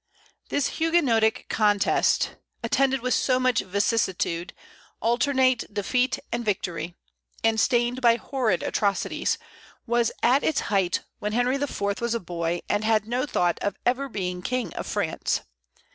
This Huguenotic contest, attended with so much vicissitude, alternate defeat and victory, and stained by horrid atrocities, was at its height when Henry IV. was a boy, and had no thought of ever being King of France.